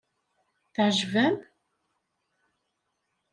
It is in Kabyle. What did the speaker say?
Teɛjeb-am?